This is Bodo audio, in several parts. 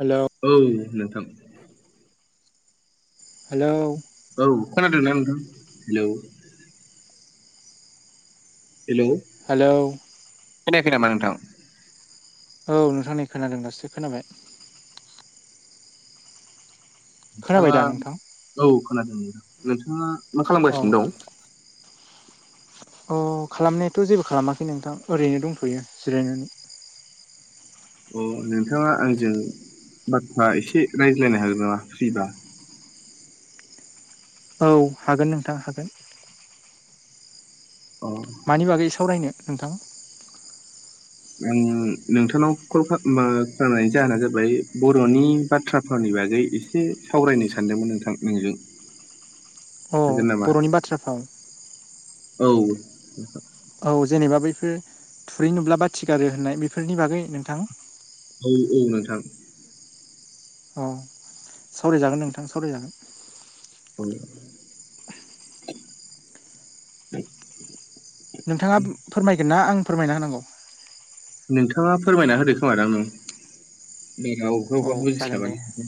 हेल' औ नोंथां हेलौ औ खोनादोंना नोंथां हेल हेल' हेलौ खोनायाखै नामा नोंथां। औ नोंथांनि खोनादों दासो खोनाबाय। खोनाबाय नोंथाङा दा नोंथां औ खोनादों नोंथाङा मा अ खालामगासिनो दं। अ खालामनायाथ' जेबो खालामाखै नोंथां ओरैनो दंथ'यो जिरायनानै अ नोंथाङा आंजों बाथ्रा एसे रायज्लायनो हागोन नामा फ्रिबा औ हागोन नोंथां हागोन। औ। मानि बागै सावरायनो नोंथां। आं नोंथांनाव कल खालामनायनि जाहोना जाबाय बर'नि बाथ्राफोरावनि बागै एसे एसे सावरायनो सानदोंमोन नोंथां नोंजों अ हागोन नामा बर'नि बाथ्रा फाव औ। औ जेनेबा बैफोर थुरै नुब्ला बा थिगारो होननाय बेफोरनि बागै नोंथां औ औ न थां अ सावरायजागोन नोंथां सावरायजागोन [inaudible] नोंथाङा फोरमायगोन ना आं फोरमायना होनांगौ नोंथाङा फोरमायना होदो खोमा द आंनाव बा अबेबा औ अबेबा जागोन दे बुजिस्लाबानो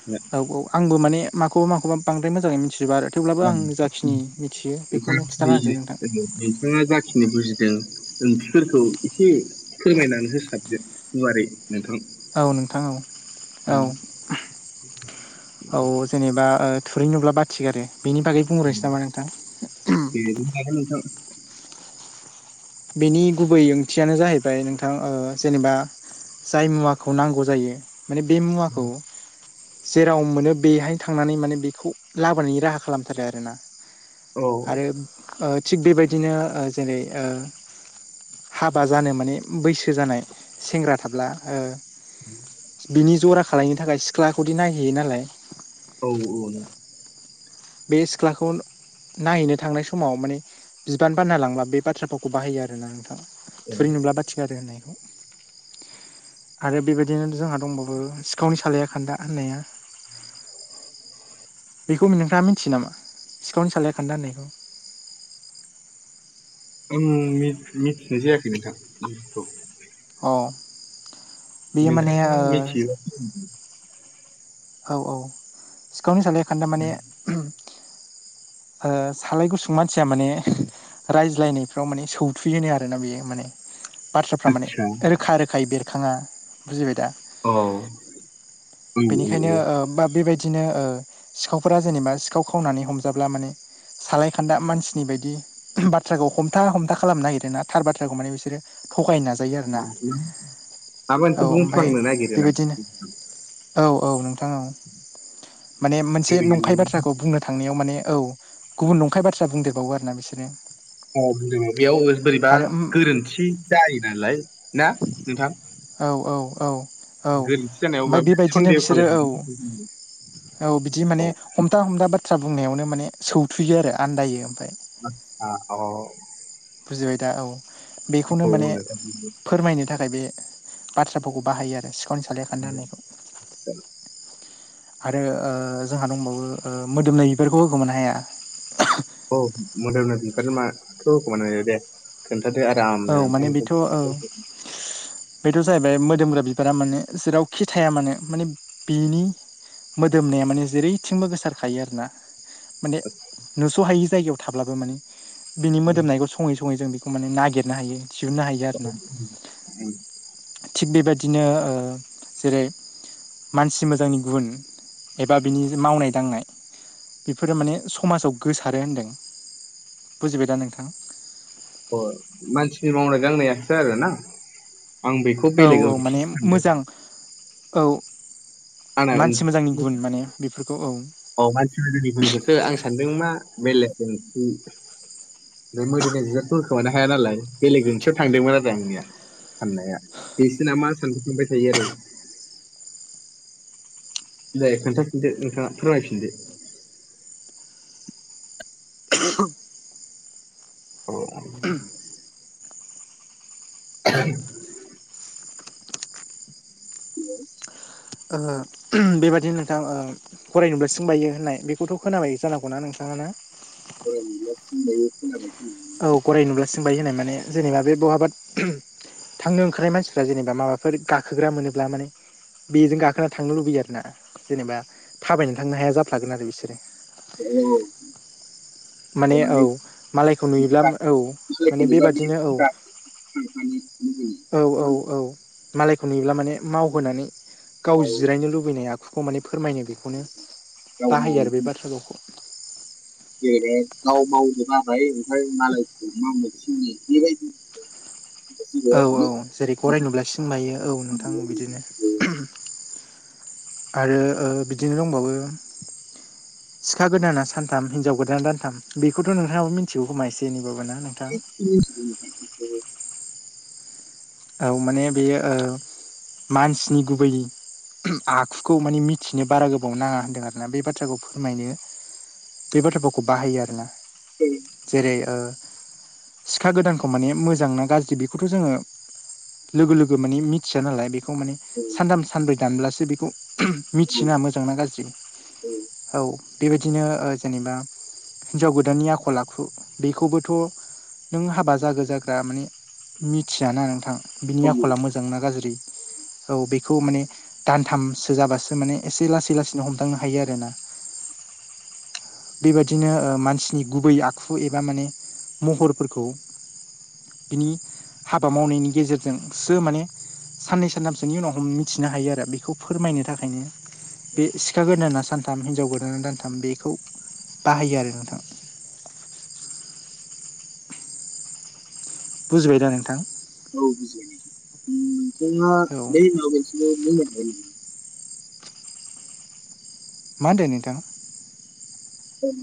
[unintelligible] औ औ आंबो माने माखौबा माखौबा बांद्राय मोजाङै मिथिजोबा आरो। थेवब्लाबो आं जाखिनि मिथियो बेखौनो जाखिनि खिन्थानासै नोंथां। ओ नोंथाङा जाखिनि बुजिदों ओंथिफोरखौ एसे फोरमायनानै होसारदो गुवारै नोंथां औ नोंथां औ औ उम औ जेनेबा ओ थुरै नुब्ला बाथिगारो बेनि बागै उम बुंग्रोनोसै नामा नोंथां [unintelligible] बेनि गुबै ओंथियानो जाहैबाय नोंथां जेनेबा जाय मुवाखौ नांगौ जायो माने बे मुवाखौ जेराव मोनो बेहायनो थांनानै माने बेखौ लाबोनायनि राहा खालामथारो आरो ना। औ आरो थिग बेबायदिनो जेरै हाबा जानो माने बैसो जानाय सेंग्रा थाब्ला [inaudible] बिनि जरा खालायनो थाखाय सिख्लाखौदि नायहैयो नालाय औ औ बे सिख्लाखौ नायहैनो थांनाय समाव माने बिबान बानना लांब्ला बे बाथ्राफोरखौ बाहायो आरोना नोंथां ओ थुरि नुब्ला बाथिगारो होननायखौ आरो बेबायदिनो जोंहा दंबाबो सिखावनि सालाया खान्दा होननाया बेखौ नोंथाङा मोनथियो नामा सिखावनि सालाया खान्दा होननायखौ आं मि-मिथिनाय जायाखै नोंथांखौ औ बेयो माने नोंथाङा ओ [inaudible] औ औ सिखावनि सालाया खान्दा माने ओ सालाय गुसुं मानसिया माने रायज्लायनायफ्राव माने सौथुयोनो आरोना बेयो माने बाथ्राफ्रा माने आदसा रोखा रोखायै बेरखाङा बुजिबाय दा औ औ औ बेनिखायनो औ ओ बा बेबायदिनो ओ सिखावफोरा जेनेबा सिखाव खावनानै हमजाब्ला माने सालाय खान्दा मानसिनि बायदि बाथ्राखौ हमथा हमथा खालामनो नागिरदों थार बाथ्राखौ माने बिसोरो थगायनो नाजायो आरोना माबा औ मोनसे ओमफाय बुंफ्लांनो नागिरो नामा बेबायदिनो औ औ नोंथां औ माने मोनसे नंखाय बाथ्राखौ बुंनो थांनायाव माने औ गुबुन नंखाय बाथ्रा बुंदेरबावो आरोना बिसोरो औ [unintelligible] बेयाव ओ बोरैबा आरो उम गोरोन्थि जायो नालाय ना नोंथां औ औ औ औ गोरोन्थि जानायाव बा ओमफाय बेबायदिनो सन्देह बिसोरो औ खालायजानाय औ बिदि औ माने हमथा हमथा बाथ्रा बुंनायावनो माने सौथुयो आरो आनदायो ओमफ्राय आतसा औ बुजिबाय दा औ बेखौनो माने फोरमायनो थाखाय बे बाथ्राफोरखौ बाहायो आरो सिखावनि सालाया खान्दा होननायखौ औ आरो ओ जोंहा दंबावो ओ मोदोमनाय बिबारखौ होखोमानो हाया औ मोदोमनाय बिबारखौ मा [unintelligible] खोनथादो औ आरामनो माने बेथ' औ [unintelligible] बेथ' जाहैबाय मोदोमग्रा बिबारा मानो जेरावखि थाया मानो माने बिनि मोदोमनाया माने जेरैथिंबो गोसारखायो आरो ना माने नुस' हायि जायगायाव थाब्लाबो माने बिनि मोदोमनायखौ सङै स सङै जों बेखौ माने नागिरनो हायो दिहुननो हायो आरो ना थिग बेबायदिनो ओ जेरै- मानसि मोजांनि गुन एबा बिनि मावनाय दांनाय बेफोरो माने समाजाव गोसारो होनदों बुजिबाय दा नोंथां। अ' मानसिनि मावनाय दांनायासो आरोना आं बेखौ औ औ बेलेगाव माने सानदों मोजां औ आंना मानसि मोजांनि गुन माने बेफोरखौ औ। औ मानसिफ्रा जुदि बुंगोनसो आं सानदों मां [unintelligible] बे मोदोमनाय बिबारखौ होखोमानो हाया नालाय बेलेग ओंथियाव थांदोंमोन आरो आंनिया साननाया बिसोरना मा सानफांबाय थायो आरो दे खोन्थाफिनदो नोंथाङा फोरमायफिनदो [unintelligible] ओ बेबादिनो नोंथां ओ गराय नुब्ला सिं बायो होननाय बेखौथ' खोनाबाय जानांगौना नोंथाङा ना सि औ गराय नुबला सिोंबाय होननाय माने जेनेबा बे बहाबा थांनो ओंखारनाय मानसिफोरा जेनेबा माबाफोर गाखोग्रा मोनोब्ला माने बेजों गाखोना थांनो लुबैयो आरो ना जेनेबा थाबायनानै थांनो हाया जाफ्लागोन आरो बिसोरो। औ। माने औ मालायखौ नुयोब्ला औ माने बेबादिनो औ [inaudible] [unintelligible] औ -औ- औ मालायखौ नुयोब्ला माने मावहोनानै गाव जिरायनो लुबैनाय आ दुखुखौ माने फोरमायनो बेखौनो बाहायो आरो बे बाथ्रा गावखौ जेरै गाव मावजोबाबाय ओमफ्राय मालायखौ मा मोनफिननाय बेबायदि [unintelligible] औ -औ जेरै गराय नुब्ला सिमायो औ नोंथां बिदिनो आरो ओ बिदिनो दंबाबो सिखा गोदाना सानथाम हिनजाव गोदाना दानथाम बेखौथ' नोंथाङाबो मिथिगौ खोमा एसे एनैबाबो ना। नोंथां [unintelligible] औ माने बेयो ओ मानसिनि गुबै आखुखौ माने मिथिनो बारा गोबाव नाङा होनदों आरोना बे बाथ्राखौ फोरमायनो बे बाथ्राफोरखौ बाहायो आरोना। जेरै ओ सिखा गोदानखौ माने मोजां ना गाज्रि बेखौथ' जोङो लोगो लोगो माने मिथिया नालाय बेखौ माने सानथाम सानब्रै दानब्लासो बेखौ मिथिना मोजांना गाज्रि औ बेबायदिनो ओ जेनेबा हिनजाव गोदाननि आखल आखु बेखौबोथ' नों हाबा जागो जाग्रा माने मिथियाना नोंथां बिनि आखलला मोजांना गाज्रि औ बेखौ माने दानथामसो जाबासो माने एसे लासै लासैनो हमदांनो हायो आरोना। बेबदिनो ओ मानसिनि गुबै आखु एबा माने महरफोरखौ बिनि हाबा मावनायनि गेजेरजोंसो माने साननै सानथामसोनि उनाव मिथिनो हायो आरो बेखौ फोरमायनो थाखायनो बे सिखा गोदाना सानथाम हिनजाव गोदाना दानथाम बेखौ बाहायो आरो नोंथां। बुजिबाय दा नोंथां। औ बुजिबाय औ नोंथाङा [unintelligible] मा होनदो नोंथां।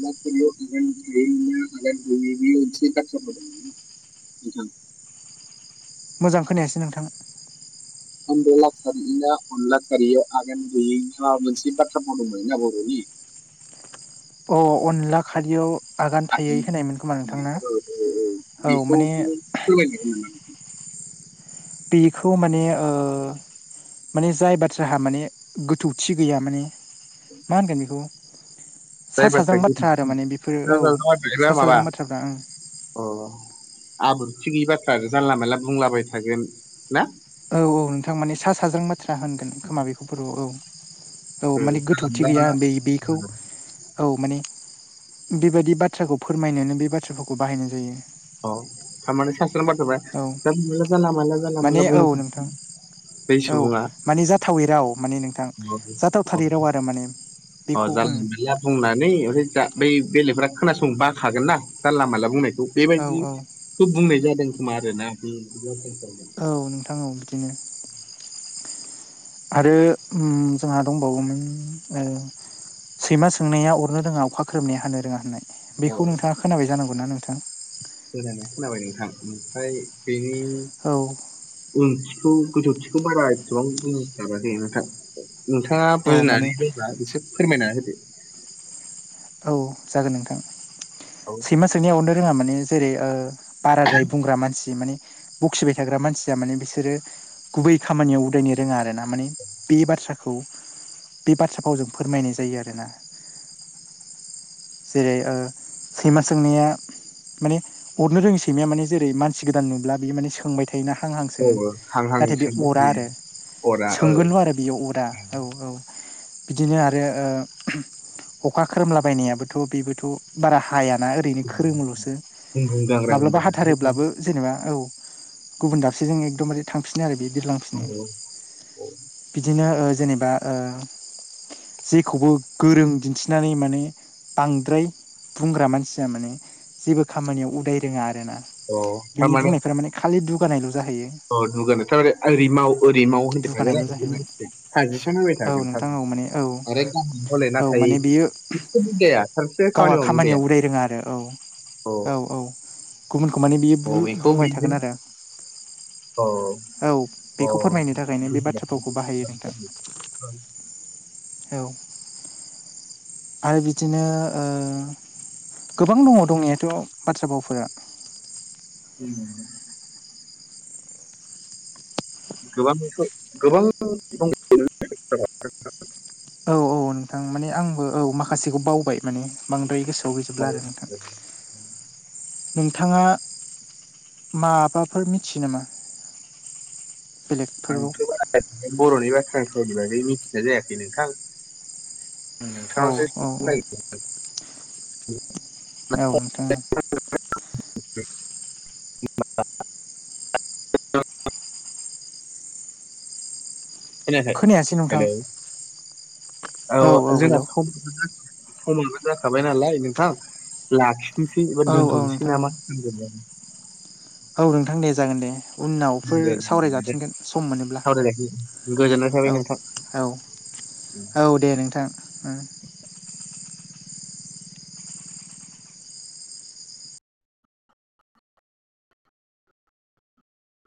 नो [unintelligible] [unintelligible] मोजां खोनायासै नोंथां। आन्दलाखारिनो अनलाखारिया आगान गैयै मा मोनसे बाथ्रा बुंदोंमोन ना बर'नि अ' अनला खारियाव आगान थायै होनायमोन खोमा नोंथांना औ माने ज [unintelligible] बेखौ माने ओ माने जाय बाथ्राह माने गोथौथि गैया माने मा होनगोन बेखौ सा साज्रां बाथ्रा आरो माने बेफोरो औ सा साज्रां बाथ्राफ्रा ओं [unintelligible] अ आब्रुथि गैयि बाथ्रा जानला मानला बुंलाबाय थागोन ना औ औ नोंथां माने सा साज्रां बाथ्रा होनगोन खोमा बेखौ बर' औ औ ओ माने जानला गोथौथि गैया मानला बै बेखौ औ माने बेबायदि बाथ्राखौ फोरमायनोनो बे बाथ्रा भावखौ बाहायनाय जायो। अ थारमाने सास्रों बाथ्रा बा औ जानला माला जानला मानला जानला माने मानला औ बुं नोंथां [unintelligible] औ माने जाथावै राव माने नोंथां अ जाथावथारै राव आरो माने अ' बेखौ ओं जानला मोनला बुंनानै आमफ्राय दा बै बेलेगफोरा खोनासंनो बाखागोन ना जानला मोनला बुंनाय औ औ बेबायदिखौ बुंनाय जादों खोमा आरोना बे [unintelligible] औ नोंथां औ बिदिनो। आरो उम जोंहा दंबावोमोन ओ सैमा सोंनाया अरनो रोङा अखा ख्रोमनाया हानो रोङा होननाय औ बेखौ नोंथाङा खोनाबाय जानांगौ ना नोंथां। होननानै खोनाबाय नोंथां ओमफ्राय बेनि औ उनथिखौ गोथौथिखौ बारा एसेबां बुंनो सानाखै नोंथां नोंथाङा औ माने बुजिनानै दंब्ला एसे फोरमायना होदो औ जागोन नोंथां। औ मा सोंनाया अरनो रोङा माने जेरै ओ बाराद्राय बुंग्रा मानसि माने बखिबाय थाग्रा मानसिया माने बिसोरो गुबै खामानियाव उदायनो रोङा आरो ना माने बे बाथ्राखौ बे बाथ्रा फावजों फोरमायनाय जायो आरोना। जेरै ओ सैमा सोंनाया माने अरनो रोंङै सैमाया माने जेरै मानसि गोदान नुब्ला बियो माने सोंबाय था योना हां हां औ सोङो औ हां हां नाथाय बेखौ सोंबाय अरा थायो आरो खरा ओ सोंगोनल आरो बेयाव अरा औ औ बिदिनो आरो अखा खोरोमलाबायनायाबो थ' बेबोथ' बारा हायाना ओरैनो खोरोमोल'सो गुं गुं गांग्रां माब्लाबा होनदों नालाय हाथारोब्लाबो जेनेबा औ गुबुन दाबसेजों एकदमबारे थांफिनो आरो बिरलांफिनो औ औ बिदिनो ओ जेनेबा ओ जेखौबो गोरों दिन्थिनानै माने बांद्राय बुंग्रा मानसिया माने जेबो खामानियाव उदाय रोङा आरोना अ बिनि बुंनायफोरा माने खालि दुगानायल' जाहैयो। औ दुगार थारमाने ओरै माव ओरै माव होनबाय थागोन दुगानायल' आरो बे जाहैबाय मानसिया साजेसन होबाय औ थागोन थार नोंथां औ माने औ आरो गावहा हले औ नाथाय माने बियो जेबे उदाया सानसेया खामानि गावहा मावनो उदाया खामानियाव उराय रोङा आरो औ अ औ औ गुबुनखौ माने बियो अ बेखौ बु-बुंबाय बेजों थागोन आरो अ औ अ बेखौ फोरमायनो थाखायनो बे बाथ्रा फावखौ बाहायो नोंथां। बुजिबाय। औ आरो बि दिनो ओ गोबां दङ दंनायाथ' बाथ्रा भावफोरा [unintelligible] गोबां [unintelligible] [unintelligible] औ औ नोंथां माने आंबो औ माखासेखौ बावबाय माने बांद्राय गोसोआव गैजोबला आरो नोंथां औ, नोंथाङा माबाफोर मिथियो नामा? बेलेगफोरखौ आंथ' बारा बर'नि बाथ्राफोरनि बागै मिथिनाय जायाखै नोंथां औ आंथ औ औ [unintelligible] औ नोंथाङा खोनायाखै खोनायासै नोंथां हेलौ औ जोंना समाबो [unintelligible] समाबो जाखाबाय नालाय नोंथां लाखिनोसै एबा औ औ दोनथ'नोसै नोंथां औ नामा होनदोंमोन। औ नोंथां दे जागोन दे। उनावफोर दे दे दे सावरायजाफिनगोन सम मोनोब्ला [unintelligible] गोजोननाय थाबाय औ नोंथां। औ उ औ दे नोंथां उम